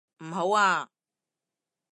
唔好啊！